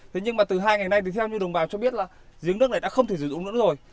thế nhưng mà từ hai ngày nay thì theo như đồng bào cho biết là giếng nước này đã không thể sử dụng nữa rồi